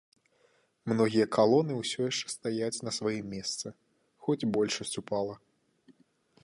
Многія калоны ўсё яшчэ стаяць на сваім месцы, хоць большасць упала.